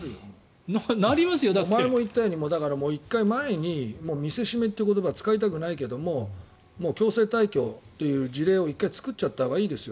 前に言ったように見せしめという言葉は使いたくないけどもう強制退去という事例を作っちゃったほうがいいですよ。